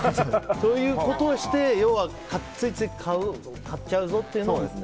そういうことをして要は、ついつい買っちゃうぞっていうのを。